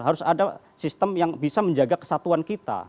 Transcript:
harus ada sistem yang bisa menjaga kesatuan kita